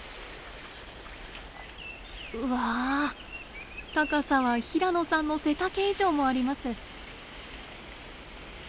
うわ高さは平野さんの背丈以上もあります。